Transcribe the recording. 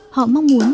họ mong muốn